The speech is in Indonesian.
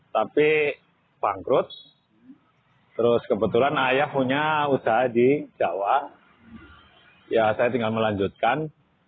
tapi bangkrut terus kebetulan ayah punya usaha di jawa ya saya tinggal melanjutkan